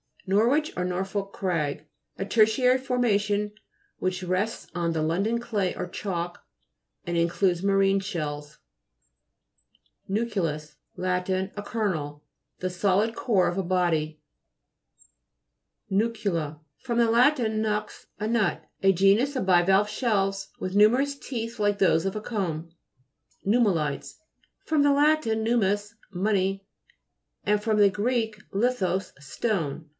NORWICH, or NORFOLK CRAG A tertiary formation which rests on the London clay or chalk, and in cludes marine shells (p. 84). NU'CLEUS Lat. A kernel. The solid core of a body. NU'CULA fr. lat. nux, a nut. A genus of bivalve shells with nume rous teeth like those of a comb. NUMMULI'TES fr. lat. nummus, money, and fr. gr. lithos, stone.